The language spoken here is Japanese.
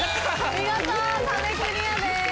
見事壁クリアです。